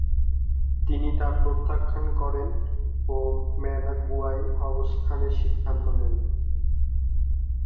তিনি তা প্রত্যাখ্যান করেন ও ম্যানাগুয়ায় অবস্থানের সিদ্ধান্ত নেন।